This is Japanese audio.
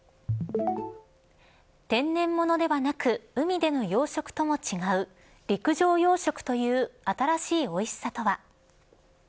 天然ものではなく海での養殖とも違う陸上養殖という新しいおいしさとは。